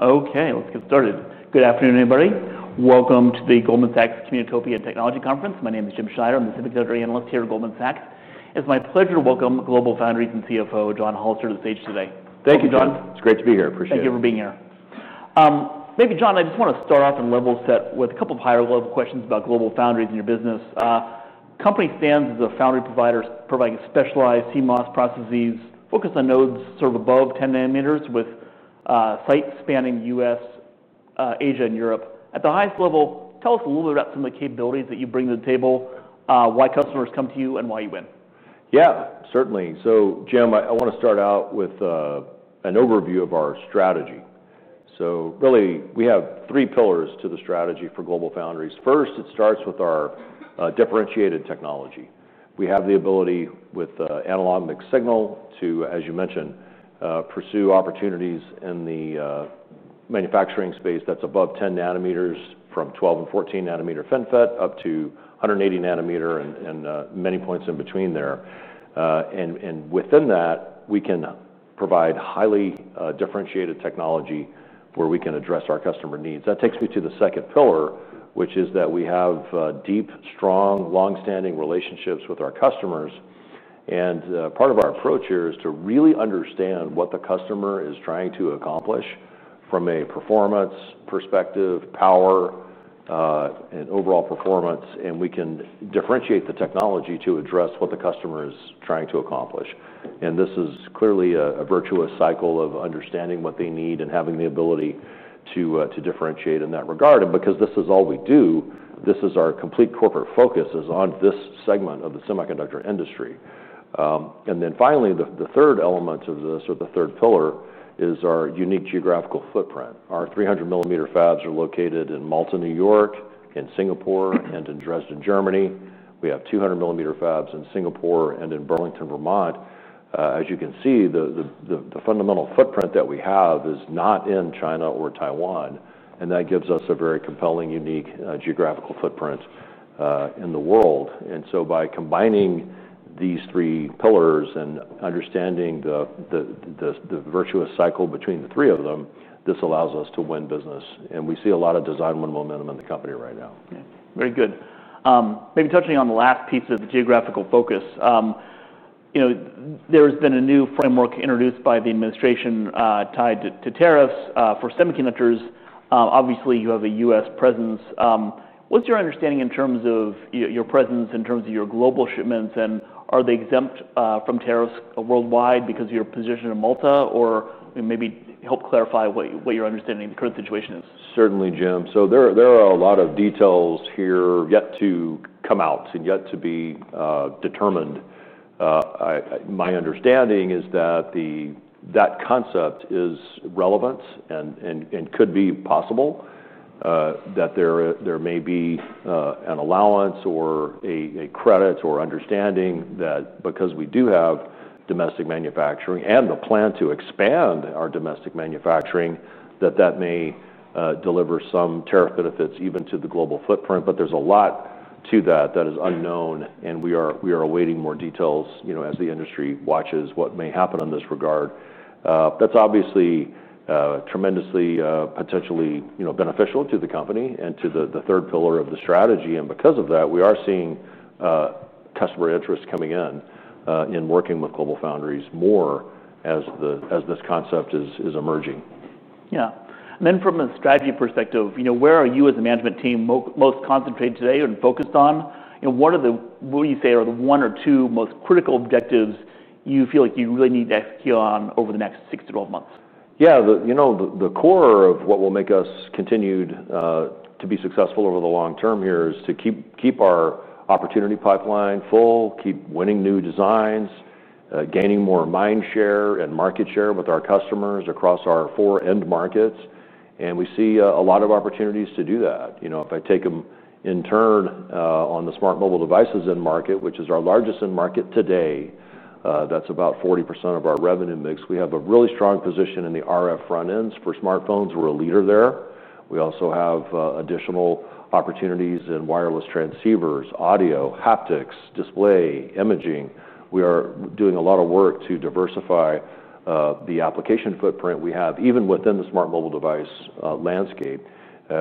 Okay, let's get started. Good afternoon, everybody. Welcome to the Goldman Sachs Communicopia Technology Conference. My name is Jim Schneider. I'm the Senior Director Analyst here at Goldman Sachs. It's my pleasure to welcome GlobalFoundries and CFO John Hollister to the stage today. Thank you, John. It's great to be here. Appreciate it. Thank you for being here. Maybe John, I just want to start off and level set with a couple of higher-level questions about GlobalFoundries and your business. The company stands as a foundry provider providing specialized CMOS processes, focused on nodes served above 10 nanometers, with sites spanning the U.S., Asia, and Europe. At the highest level, tell us a little bit about some of the capabilities that you bring to the table, why customers come to you, and why you win. Yeah, certainly. Jim, I want to start out with an overview of our strategy. We have three pillars to the strategy for GlobalFoundries. First, it starts with our differentiated technology. We have the ability with analog mixed signal to, as you mentioned, pursue opportunities in the manufacturing space that's above 10 nanometers, from 12 and 14 nanometer FinFET up to 180 nanometer and many points in between there. Within that, we can provide highly differentiated technology where we can address our customer needs. That takes me to the second pillar, which is that we have deep, strong, long-standing relationships with our customers. Part of our approach here is to really understand what the customer is trying to accomplish from a performance perspective, power, and overall performance. We can differentiate the technology to address what the customer is trying to accomplish. This is clearly a virtuous cycle of understanding what they need and having the ability to differentiate in that regard. Because this is all we do, this is our complete corporate focus on this segment of the semiconductor industry. Finally, the third element of this, or the third pillar, is our unique geographical footprint. Our 300mm fabs are located in Malta, New York, in Singapore, and in Dresden, Germany. We have 200mm fabs in Singapore and in Burlington, Vermont. As you can see, the fundamental footprint that we have is not in China or Taiwan. That gives us a very compelling, unique geographical footprint in the world. By combining these three pillars and understanding the virtuous cycle between the three of them, this allows us to win business. We see a lot of design win momentum in the company right now. Very good. Maybe touching on the last piece of the geographical focus, you know, there's been a new framework introduced by the administration, tied to tariffs, for semiconductors. Obviously, you have a U.S. presence. What's your understanding in terms of your presence, in terms of your global shipments, and are they exempt from tariffs worldwide because of your position in Malta? Or maybe help clarify what your understanding of the current situation is. Certainly, Jim. There are a lot of details here yet to come out and yet to be determined. My understanding is that concept is relevant and could be possible, that there may be an allowance or a credit or understanding that because we do have domestic manufacturing and the plan to expand our domestic manufacturing, that may deliver some tariff benefits even to the global footprint. There is a lot to that that is unknown. We are awaiting more details as the industry watches what may happen in this regard. That is obviously tremendously, potentially, beneficial to the company and to the third pillar of the strategy. Because of that, we are seeing customer interest coming in, in working with GlobalFoundries more as this concept is emerging. Yeah. From a strategy perspective, where are you as a management team most concentrated today and focused on? What do you say are the one or two most critical objectives you feel like you really need to execute on over the next six to 12 months? Yeah, the core of what will make us continue to be successful over the long term here is to keep our opportunity pipeline full, keep winning new designs, gaining more mind share and market share with our customers across our four end markets. We see a lot of opportunities to do that. If I take them in turn, on the smart mobile devices end market, which is our largest end market today, that's about 40% of our revenue mix. We have a really strong position in the RF front ends for smartphones. We're a leader there. We also have additional opportunities in wireless transceivers, audio, haptics, display, imaging. We are doing a lot of work to diversify the application footprint we have even within the smart mobile device landscape.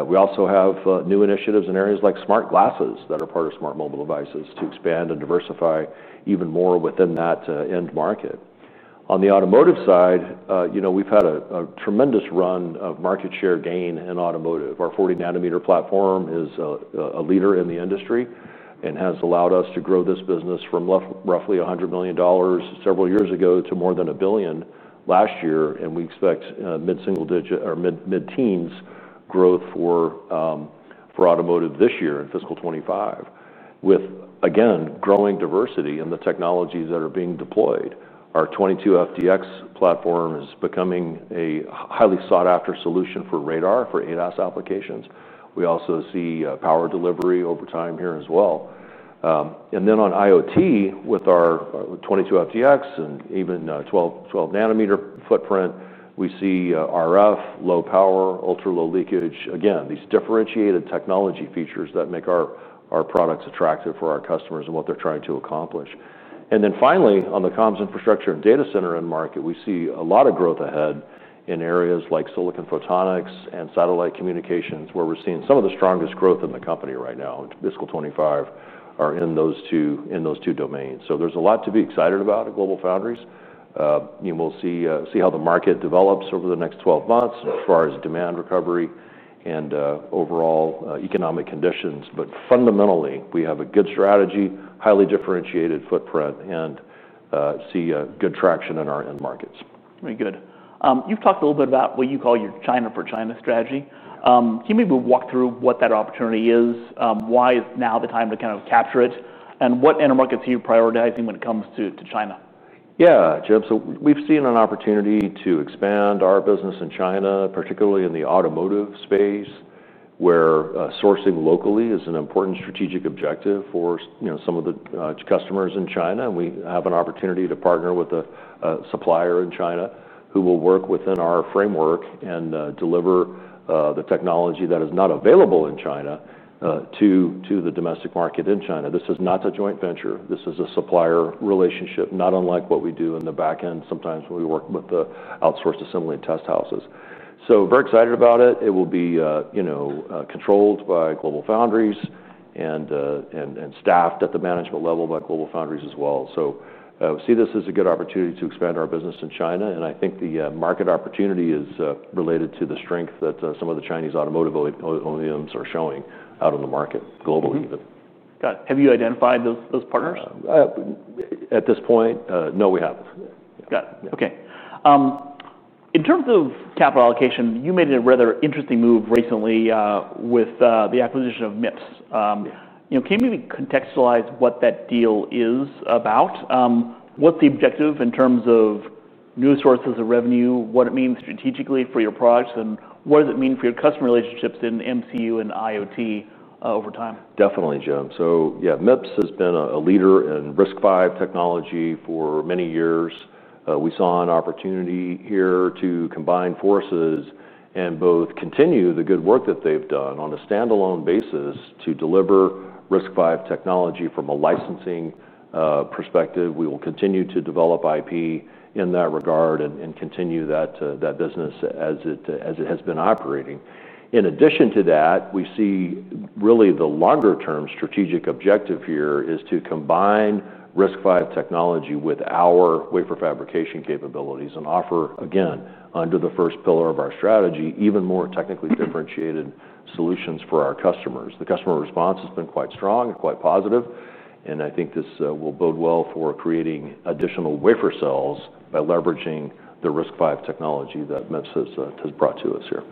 We also have new initiatives in areas like smart glasses that are part of smart mobile devices to expand and diversify even more within that end market. On the automotive side, we've had a tremendous run of market share gain in automotive. Our 40nm platform is a leader in the industry and has allowed us to grow this business from roughly $100 million several years ago to more than $1 billion last year. We expect mid-single digit or mid-teens growth for automotive this year in fiscal 2025, with again growing diversity in the technologies that are being deployed. Our 22FDX platform is becoming a highly sought-after solution for radar for ADAS applications. We also see power delivery over time here as well. On IoT, with our 22FDX and even a 12nm footprint, we see RF, low power, ultra-low leakage, again, these differentiated technology features that make our products attractive for our customers and what they're trying to accomplish. Finally, on the comms infrastructure and data center end market, we see a lot of growth ahead in areas like silicon photonics and satellite communications, where we're seeing some of the strongest growth in the company right now in fiscal 2025 are in those two domains. There is a lot to be excited about at GlobalFoundries. We will see how the market develops over the next 12 months as far as demand recovery and overall economic conditions. Fundamentally, we have a good strategy, highly differentiated footprint, and see good traction in our end markets. Very good. You've talked a little bit about what you call your China for China strategy. Can you maybe walk through what that opportunity is? Why is now the time to kind of capture it? What end markets are you prioritizing when it comes to China? Yeah, Jim. We've seen an opportunity to expand our business in China, particularly in the automotive space, where sourcing locally is an important strategic objective for some of the customers in China. We have an opportunity to partner with a supplier in China who will work within our framework and deliver the technology that is not available in China to the domestic market in China. This is not a joint venture. This is a supplier relationship, not unlike what we do in the back end sometimes when we work with the outsourced assembly and test houses. We're very excited about it. It will be controlled by GlobalFoundries and staffed at the management level by GlobalFoundries as well. We see this as a good opportunity to expand our business in China. I think the market opportunity is related to the strength that some of the Chinese automotive OEMs are showing out on the market globally. Have you identified those partners? At this point, no, we haven't. Got it. Okay. In terms of capital allocation, you made a rather interesting move recently with the acquisition of MIPS. You know, can you maybe contextualize what that deal is about? What's the objective in terms of new sources of revenue, what it means strategically for your products, and what does it mean for your customer relationships in MCU and IoT over time? Definitely, Jim. MIPS has been a leader in RISC-V technology for many years. We saw an opportunity here to combine forces and both continue the good work that they've done on a standalone basis to deliver RISC-V technology from a licensing perspective. We will continue to develop IP in that regard and continue that business as it has been operating. In addition to that, we see really the longer term strategic objective here is to combine RISC-V technology with our wafer fabrication capabilities and offer, again, under the first pillar of our strategy, even more technically differentiated solutions for our customers. The customer response has been quite strong and quite positive. I think this will bode well for creating additional wafer sales by leveraging the RISC-V technology that MIPS has brought to us here.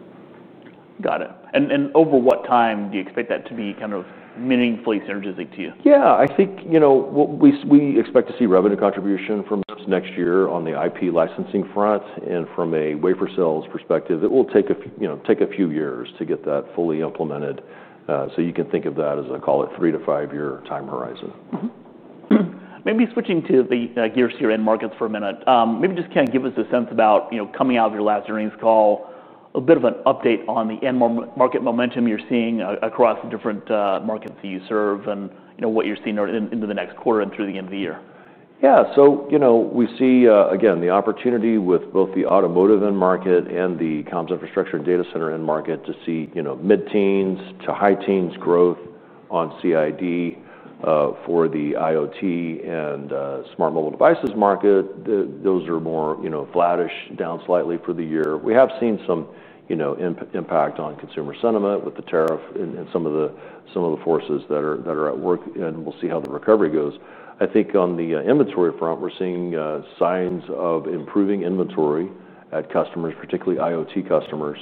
Over what time do you expect that to be kind of meaningfully synergistic to you? Yeah, I think what we expect to see is revenue contribution from this next year on the IP licensing front, and from a wafer sales perspective, it will take a few years to get that fully implemented. You can think of that as a, call it, three to five-year time horizon. Maybe switching to the core CRM markets for a minute, maybe just kind of give us a sense about, you know, coming out of your last earnings call, a bit of an update on the end market momentum you're seeing across the different markets that you serve and, you know, what you're seeing into the next quarter and through the end of the year. Yeah, so, you know, we see, again, the opportunity with both the automotive end market and the comms infrastructure and data center end market to see, you know, mid-teens to high teens growth on CID. For the IoT and smart mobile devices market, those are more, you know, flattish, down slightly for the year. We have seen some, you know, impact on consumer sentiment with the tariff and some of the forces that are at work, and we'll see how the recovery goes. I think on the inventory front, we're seeing signs of improving inventory at customers, particularly IoT customers,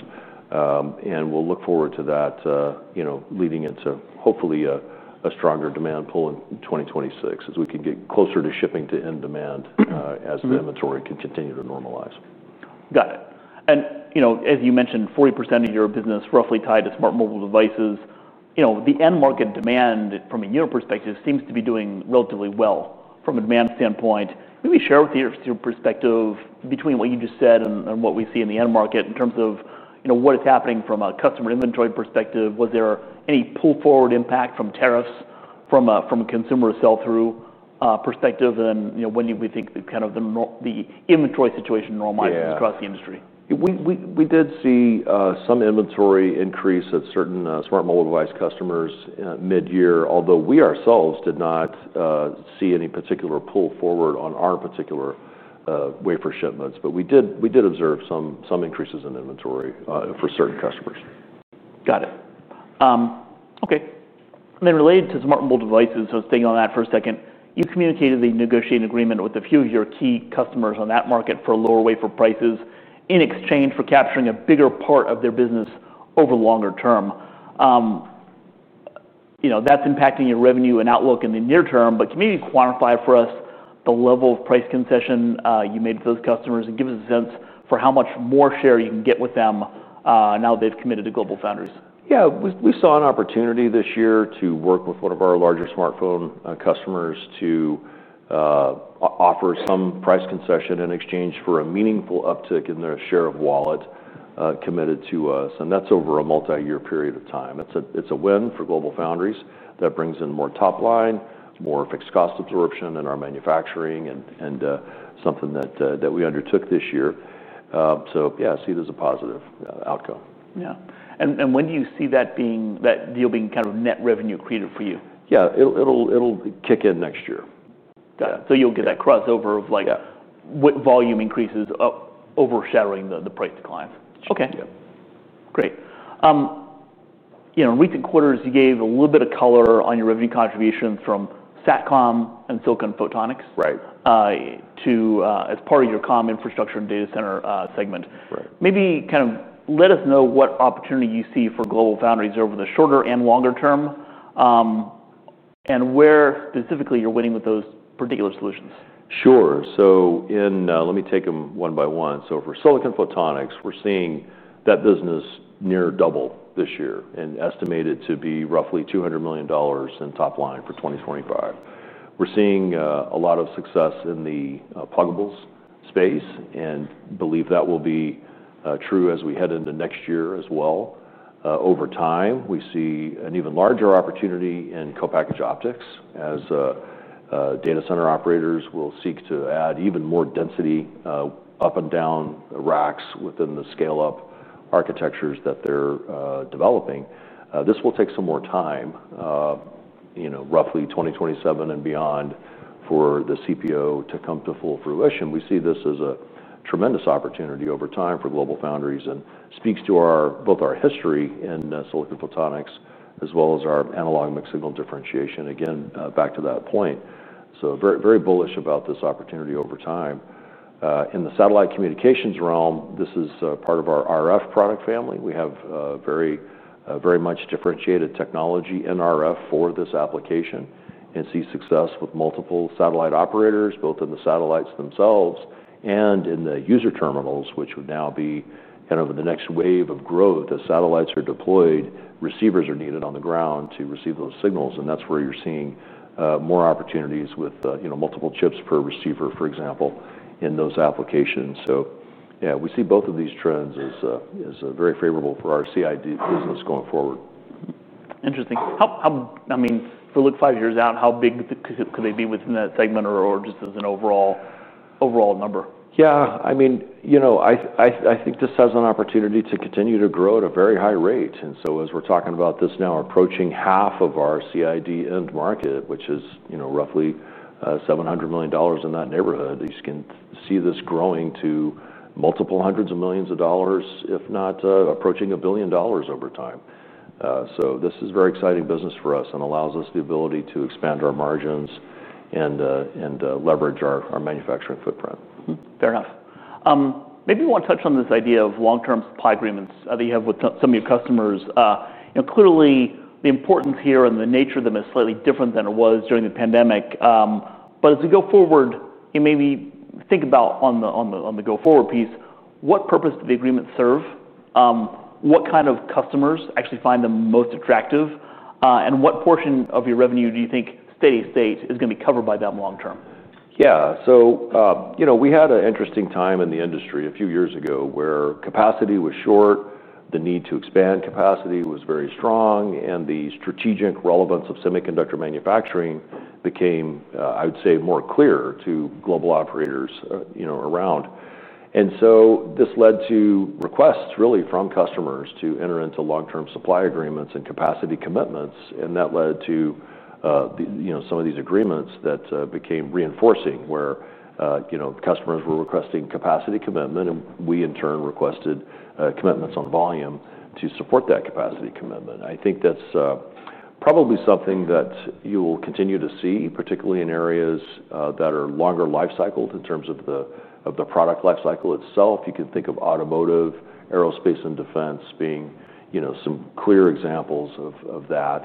and we'll look forward to that, you know, leading into hopefully a stronger demand pull in 2026 as we could get closer to shipping to end demand, as inventory can continue to normalize. Got it. As you mentioned, 40% of your business is roughly tied to smart mobile devices. The end market demand from a year perspective seems to be doing relatively well from a demand standpoint. Maybe share your perspective between what you just said and what we see in the end market in terms of what is happening from a customer inventory perspective. Was there any pull forward impact from tariffs from a consumer sell-through perspective? When do we think the inventory situation normalizes across the industry? We did see some inventory increase at certain smart mobile device customers mid-year, although we ourselves did not see any particular pull forward on our particular wafer shipments. We did observe some increases in inventory for certain customers. Got it. Okay. Related to smart mobile devices, staying on that for a second, you've communicated the negotiated agreement with a few of your key customers in that market for lower wafer prices in exchange for capturing a bigger part of their business over the longer term. You know, that's impacting your revenue and outlook in the near term, but can you maybe quantify for us the level of price concession you made with those customers and give us a sense for how much more share you can get with them, now that they've committed to GlobalFoundries? Yeah, we saw an opportunity this year to work with one of our larger smartphone customers to offer some price concession in exchange for a meaningful uptick in their share of wallet, committed to us. That's over a multi-year period of time. It's a win for GlobalFoundries that brings in more top line, more fixed cost absorption in our manufacturing, and something that we undertook this year. Yeah, I see it as a positive outcome. When do you see that deal being kind of net revenue created for you? Yeah, it'll kick in next year. Got it. You'll get that crossover of what volume increases overshadowing the price decline. Okay. Yeah, great. In recent quarters, you gave a little bit of color on your revenue contribution from satellite communications and silicon photonics, right, as part of your comm infrastructure and data center segment. Maybe let us know what opportunity you see for GlobalFoundries over the shorter and longer term, and where specifically you're winning with those particular solutions. Sure. Let me take them one by one. For Silicon Photonics, we're seeing that business near double this year and estimated to be roughly $200 million in top line for 2025. We're seeing a lot of success in the puzzles space and believe that will be true as we head into next year as well. Over time, we see an even larger opportunity in co-package optics as data center operators will seek to add even more density up and down racks within the scale-up architectures that they're developing. This will take some more time, roughly 2027 and beyond for the CPO to come to full fruition. We see this as a tremendous opportunity over time for GlobalFoundries and it speaks to both our history in Silicon Photonics as well as our analog and mixed-signal differentiation. Again, back to that point. Very, very bullish about this opportunity over time. In the satellite communications realm, this is part of our RF product family. We have very, very much differentiated technology in RF for this application and see success with multiple satellite operators, both in the satellites themselves and in the user terminals, which would now be kind of the next wave of growth as satellites are deployed. Receivers are needed on the ground to receive those signals. That's where you're seeing more opportunities with multiple chips per receiver, for example, in those applications. We see both of these trends as very favorable for our CID business going forward. Interesting. If we look five years out, how big could they be within that segment or just as an overall number? Yeah, I mean, I think this has an opportunity to continue to grow at a very high rate. As we're talking about this now approaching half of our CID end market, which is roughly $700 million in that neighborhood, you can see this growing to multiple hundreds of millions of dollars, if not approaching a billion dollars over time. This is very exciting business for us and allows us the ability to expand our margins and leverage our manufacturing footprint. Fair enough. Maybe we want to touch on this idea of long-term supply agreements that you have with some of your customers. You know, clearly the importance here and the nature of them is slightly different than it was during the pandemic. As we go forward, you maybe think about, on the go forward piece, what purpose do the agreements serve? What kind of customers actually find them most attractive? What portion of your revenue do you think steady state is going to be covered by them long term? Yeah, so, you know, we had an interesting time in the industry a few years ago where capacity was short, the need to expand capacity was very strong, and the strategic relevance of semiconductor manufacturing became, I would say, more clear to global operators, you know, around. This led to requests really from customers to enter into long-term supply agreements and capacity commitments. That led to, you know, some of these agreements that became reinforcing where, you know, customers were requesting capacity commitment and we in turn requested commitments on volume to support that capacity commitment. I think that's probably something that you will continue to see, particularly in areas that are longer life cycles in terms of the product life cycle itself. You can think of automotive, aerospace, and defense being, you know, some clear examples of that.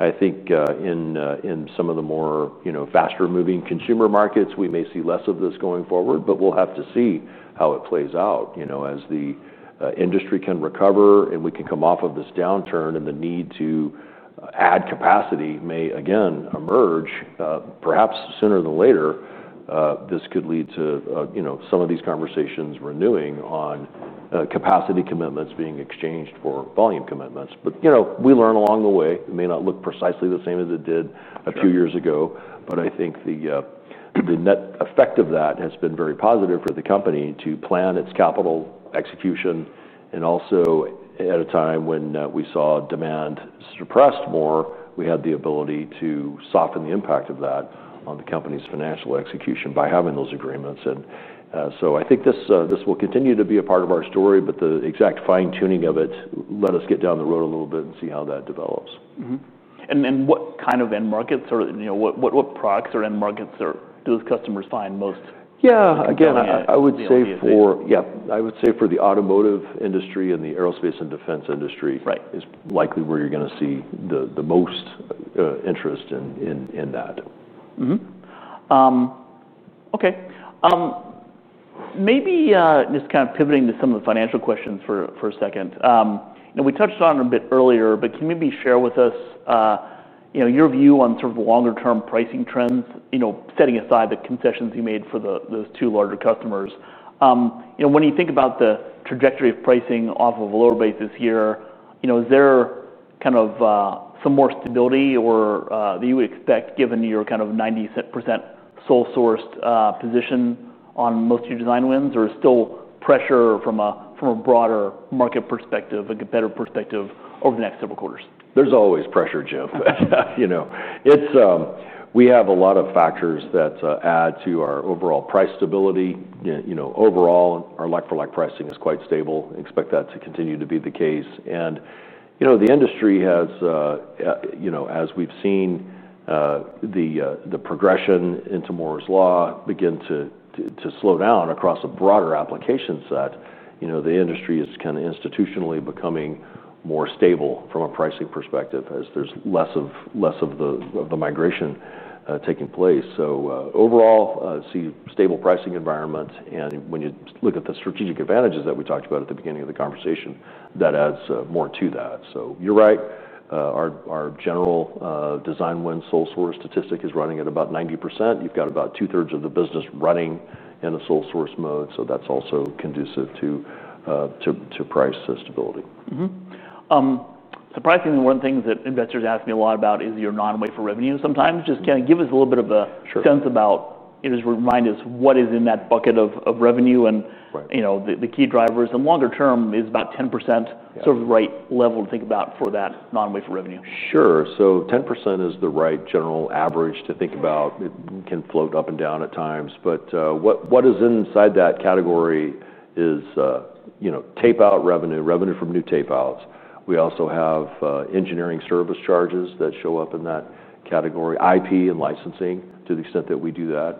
I think in some of the more, you know, faster moving consumer markets, we may see less of this going forward, but we'll have to see how it plays out, you know, as the industry can recover and we can come off of this downturn and the need to add capacity may again emerge, perhaps sooner than later. This could lead to, you know, some of these conversations renewing on capacity commitments being exchanged for volume commitments. You know, we learn along the way. It may not look precisely the same as it did a few years ago, but I think the net effect of that has been very positive for the company to plan its capital execution and also at a time when we saw demand suppressed more, we had the ability to soften the impact of that on the company's financial execution by having those agreements. I think this will continue to be a part of our story, but the exact fine-tuning of it, let us get down the road a little bit and see how that develops. What kind of end markets or, you know, what products or end markets do those customers find most? I would say for the automotive industry and the aerospace and defense industry is likely where you're going to see the most interest in that. Okay, maybe just kind of pivoting to some of the financial questions for a second. You know, we touched on it a bit earlier, but can you maybe share with us your view on sort of longer-term pricing trends, setting aside the concessions you made for those two larger customers? You know, when you think about the trajectory of pricing off of a load base this year, is there kind of some more stability that you would expect given your kind of 90% sole-sourced position on most of your design wins, or is there still pressure from a broader market perspective, a better perspective over the next several quarters? There's always pressure, Jim. You know, we have a lot of factors that add to our overall price stability. Overall, our pricing is quite stable. I expect that to continue to be the case. The industry has, as we've seen, the progression into Moore's law begin to slow down across a broader application set. The industry is kind of institutionally becoming more stable from a pricing perspective as there's less of the migration taking place. Overall, see stable pricing environments. When you look at the strategic advantages that we talked about at the beginning of the conversation, that adds more to that. You're right. Our general design win sole source statistic is running at about 90%. You've got about two-thirds of the business running in a sole source mode. That's also conducive to price stability. Surprisingly, one of the things that investors ask me a lot about is your non-wafer revenue. Sometimes just kind of give us a little bit of a sense about, you know, just remind us what is in that bucket of revenue and, you know, the key drivers. Longer term, is about 10% sort of the right level to think about for that non-wafer revenue? Sure. 10% is the right general average to think about. It can float up and down at times, but what is inside that category is tape out revenue, revenue from new tape outs. We also have engineering service charges that show up in that category. IP and licensing, to the extent that we do that,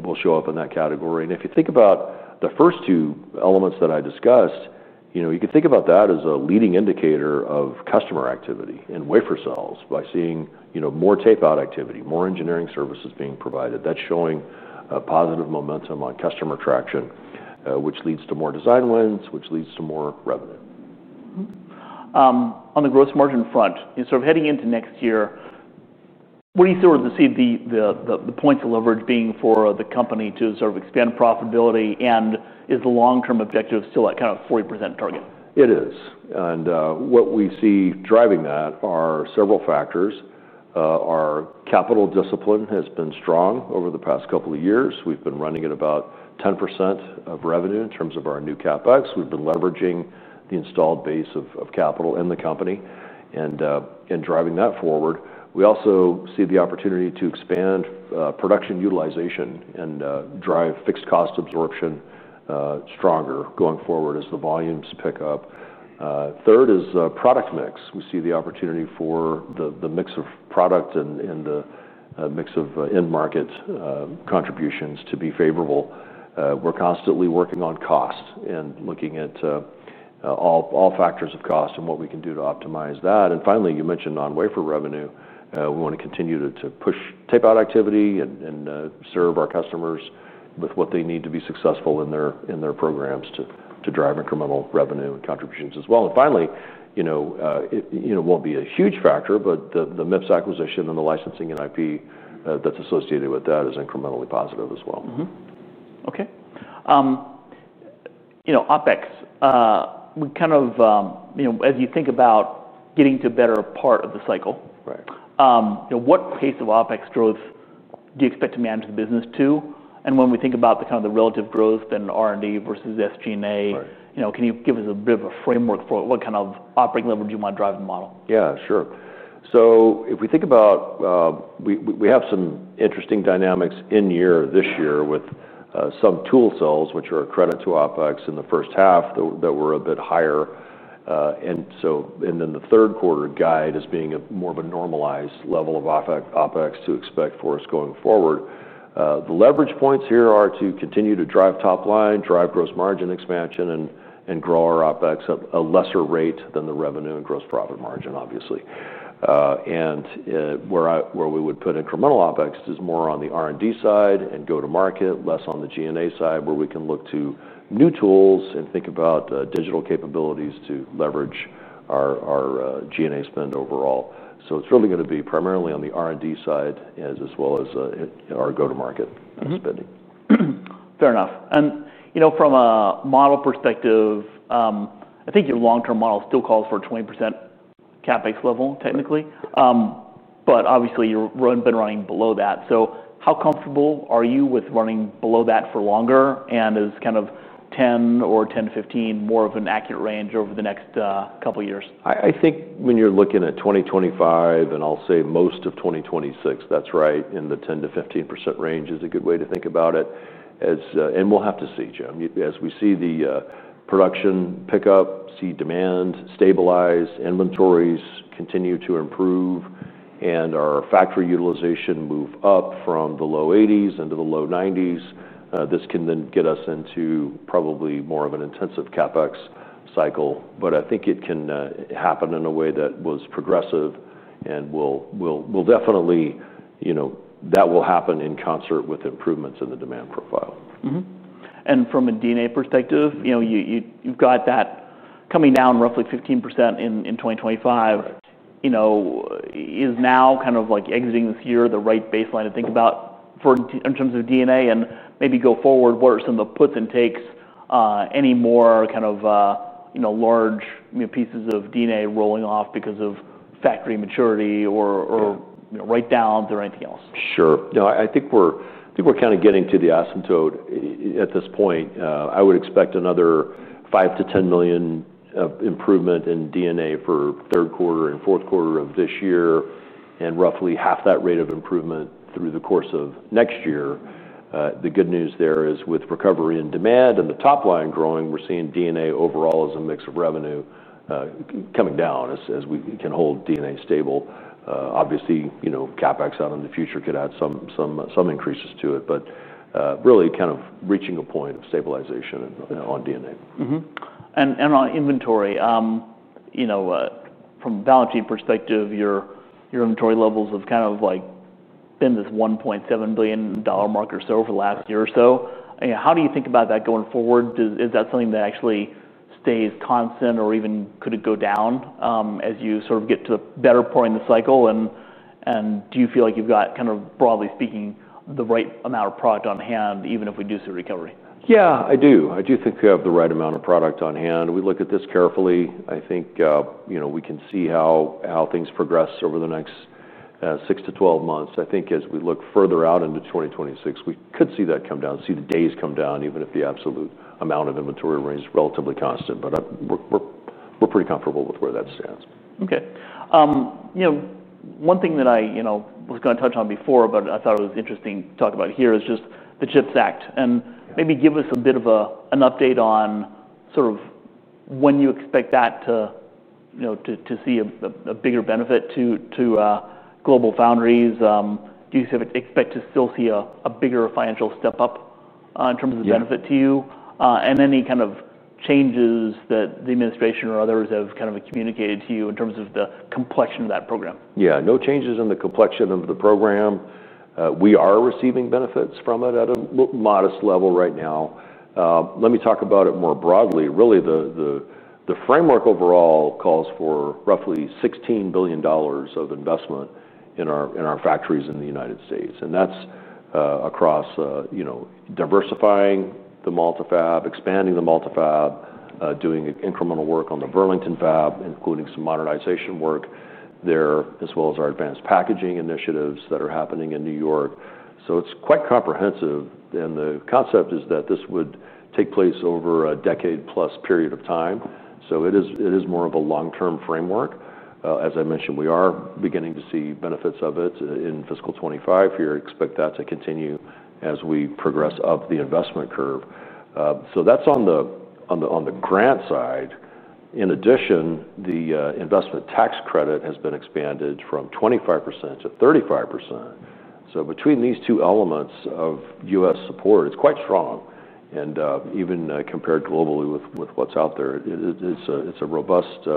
will show up in that category. If you think about the first two elements that I discussed, you can think about that as a leading indicator of customer activity in wafer sales by seeing more tape out activity, more engineering services being provided. That's showing a positive momentum on customer traction, which leads to more design wins, which leads to more revenue. On the gross margin front, heading into next year, what do you see the points of leverage being for the company to sort of expand profitability? Is the long-term objective still at kind of a 40% target? It is. What we see driving that are several factors. Our capital discipline has been strong over the past couple of years. We've been running at about 10% of revenue in terms of our new CapEx. We've been leveraging the installed base of capital in the company and driving that forward. We also see the opportunity to expand production utilization and drive fixed cost absorption stronger going forward as the volumes pick up. Third is product mix. We see the opportunity for the mix of product and the mix of end market contributions to be favorable. We're constantly working on cost and looking at all factors of cost and what we can do to optimize that. Finally, you mentioned non-wafer revenue. We want to continue to push tape-out activity and serve our customers with what they need to be successful in their programs to drive incremental revenue and contributions as well. Finally, it won't be a huge factor, but the MIPS acquisition and the licensing and IP that's associated with that is incrementally positive as well. Okay. OpEx, as you think about getting to a better part of the cycle, right? What pace of OpEx growth do you expect to manage the business to? When we think about the relative growth in R&D versus SG&A, can you give us a bit of a framework for what kind of operating leverage you want to drive the model? Yeah, sure. If we think about it, we have some interesting dynamics this year with some tool sales, which are a credit to OpEx in the first half that were a bit higher. The third quarter guide is being a more normalized level of OpEx to expect for us going forward. The leverage points here are to continue to drive top line, drive gross margin expansion, and grow our OpEx at a lesser rate than the revenue and gross profit margin, obviously. Where we would put incremental OpEx is more on the R&D side and go-to-market, less on the G&A side, where we can look to new tools and think about digital capabilities to leverage our G&A spend overall. It's really going to be primarily on the R&D side as well as our go-to-market spending. Fair enough. From a model perspective, I think your long-term model still calls for a 20% CapEx level technically, but obviously you've been running below that. How comfortable are you with running below that for longer? Is kind of 10 or 10 to 15% more of an accurate range over the next couple of years? I think when you're looking at 2025, and I'll say most of 2026, that's right in the 10% to 15% range is a good way to think about it. We'll have to see, Jim, as we see the production pick up, see demand stabilize, inventories continue to improve, and our factory utilization move up from the low 80s into the low 90s. This can then get us into probably more of an intensive CapEx cycle, but I think it can happen in a way that is progressive and will definitely, you know, that will happen in concert with improvements in the demand profile. From a DNA perspective, you've got that coming down roughly 15% in 2025. Is now kind of like exiting this year the right baseline to think about in terms of DNA and maybe go forward? What are some of the puts and takes? Any more large pieces of DNA rolling off because of factory maturity or write downs or anything else? Sure. No, I think we're kind of getting to the asymptote at this point. I would expect another $5 million to $10 million improvement in DNA for third quarter and fourth quarter of this year and roughly half that rate of improvement through the course of next year. The good news there is with recovery in demand and the top line growing, we're seeing DNA overall as a mix of revenue coming down as we can hold DNA stable. Obviously, you know, CapEx out in the future could add some increases to it, but really kind of reaching a point of stabilization on DNA. On inventory, you know, from a balance sheet perspective, your inventory levels have kind of been this $1.7 billion marker over the last year or so. How do you think about that going forward? Is that something that actually stays constant or even could it go down, as you sort of get to a better point in the cycle? Do you feel like you've got, broadly speaking, the right amount of product on hand, even if we do see a recovery? Yeah, I do. I do think we have the right amount of product on hand. We look at this carefully. I think we can see how things progress over the next six to 12 months. I think as we look further out into 2026, we could see that come down, see the days come down, even if the absolute amount of inventory remains relatively constant. We're pretty comfortable with where that stands. Okay. One thing that I was going to touch on before, but I thought it was interesting to talk about here, is just the U.S. CHIPS Act and maybe give us a bit of an update on sort of when you expect that to see a bigger benefit to GLOBALFOUNDRIES. Do you expect to still see a bigger financial step up in terms of the benefit to you? Any kind of changes that the administration or others have communicated to you in terms of the complexion of that program? Yeah, no changes in the complexion of the program. We are receiving benefits from it at a modest level right now. Let me talk about it more broadly. Really, the framework overall calls for roughly $16 billion of investment in our factories in the United States. That's across diversifying the Malta fab, expanding the Malta fab, doing incremental work on the Burlington fab, including some modernization work there, as well as our advanced packaging initiatives that are happening in New York. It's quite comprehensive. The concept is that this would take place over a decade plus period of time. It is more of a long-term framework. As I mentioned, we are beginning to see benefits of it in fiscal 2025. We expect that to continue as we progress up the investment curve. That's on the grant side. In addition, the investment tax credit has been expanded from 25% to 35%. Between these two elements of U.S. support, it's quite strong. Even compared globally with what's out there, it's a robust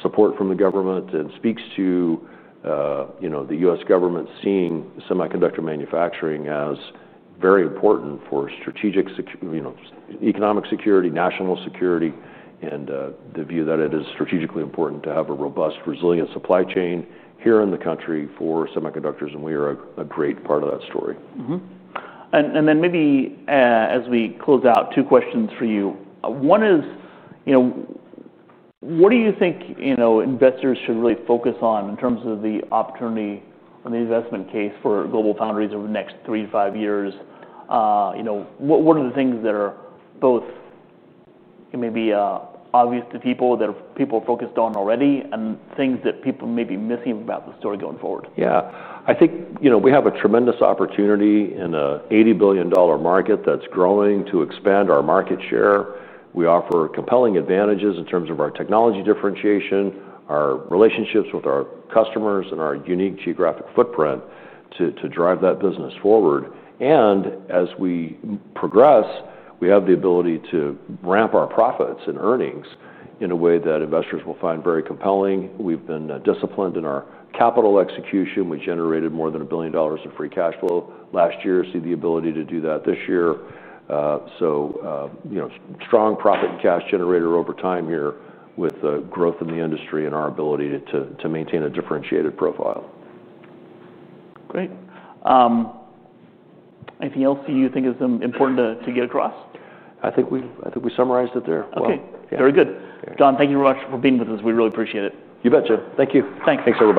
support from the government and speaks to the U.S. government seeing semiconductor manufacturing as very important for strategic economic security, national security, and the view that it is strategically important to have a robust, resilient supply chain here in the country for semiconductors. We are a great part of that story. As we close out, two questions for you. One is, you know, what do you think investors should really focus on in terms of the opportunity on the investment case for GlobalFoundries over the next three to five years? You know, what are the things that are both, you know, maybe obvious to people that people are focused on already and things that people may be missing about the story going forward? Yeah, I think, you know, we have a tremendous opportunity in an $80 billion market that's growing to expand our market share. We offer compelling advantages in terms of our technology differentiation, our relationships with our customers, and our unique geographic footprint to drive that business forward. As we progress, we have the ability to ramp our profits and earnings in a way that investors will find very compelling. We've been disciplined in our capital execution. We generated more than $1 billion in free cash flow last year. We see the ability to do that this year. Strong profit and cash generator over time here with the growth in the industry and our ability to maintain a differentiated profile. Great. Anything else you think is important to get across? I think we summarized it there. Okay. Very good. John, thank you very much for being with us. We really appreciate it. You bet, Jim. Thank you. Thank you. Thanks so much.